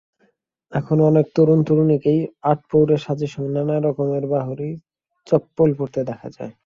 এখন অনেক তরুণ-তরুণীকেই আটপৌরে সাজের সঙ্গে নানা রকমের বাহারি চপ্পল পরতে দেখা যায়।